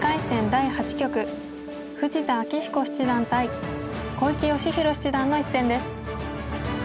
第８局富士田明彦七段対小池芳弘七段の一戦です。